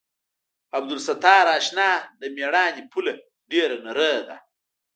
عبدالستاره اشنا د مېړانې پوله ډېره نرۍ ده.